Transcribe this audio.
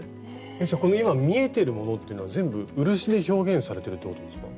じゃあこの今見えているものっていうのは全部漆で表現されてるってことですか？